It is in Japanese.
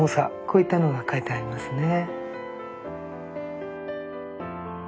こういったのが書いてありますね。